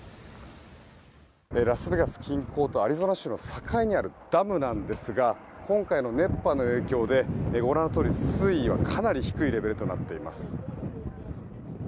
ラスベガス近郊とアリゾナ州の境にあるダムなんですが今回の熱波の影響でご覧のとおり水位はかなり低いレベルとなっています。